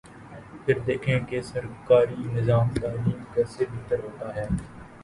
پھر دیکھیں کہ سرکاری نظام تعلیم کیسے بہتر ہوتا ہے۔